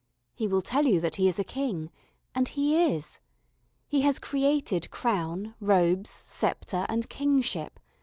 He will tell you that he is a king and he is. He has created crown, robes, sceptre, and kingship.